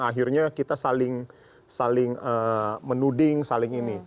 akhirnya kita saling menuding